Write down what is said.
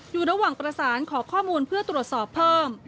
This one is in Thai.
อยู่ระหว่างประสานขอข้อมูลเพื่อตรวจสอบเพิ่ม